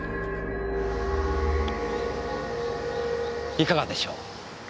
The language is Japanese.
いかがでしょう。